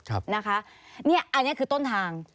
อันนี้คือต้นทาง